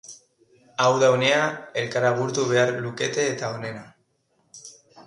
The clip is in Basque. Hau da unea, elkar agurtu behar lukete eta onena.